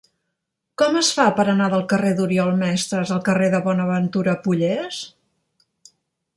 Com es fa per anar del carrer d'Oriol Mestres al carrer de Bonaventura Pollés?